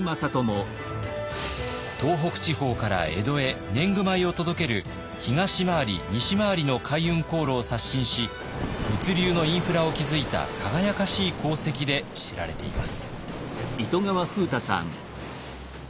東北地方から江戸へ年貢米を届ける東廻り西廻りの海運航路を刷新し物流のインフラを築いた輝かしい功績で知られています。